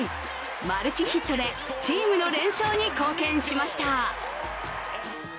マルチヒットでチームの連勝に貢献しました。